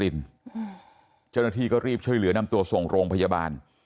ไม่เหลือนำตัวส่งโรงพยาบาล